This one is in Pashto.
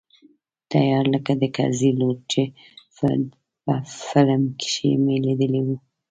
تيار لکه د کرزي لور چې په فلم کښې مې ليدلې وه.